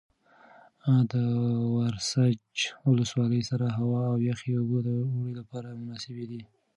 د ورسج ولسوالۍ سړه هوا او یخې اوبه د اوړي لپاره مناسبې دي.